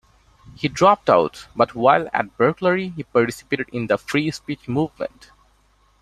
He dropped out, but while at Berkeley he participated in the Free Speech Movement.